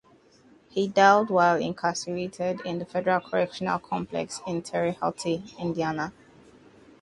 He died while incarcerated in the Federal Correctional Complex in Terre Haute, Indiana.